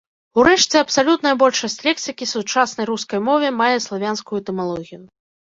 Урэшце, абсалютная большасць лексікі сучаснай рускай мовы мае славянскую этымалогію.